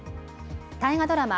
大河ドラマ